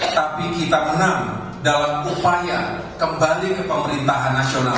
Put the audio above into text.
tapi kita menang dalam upaya kembali ke pemerintahan nasional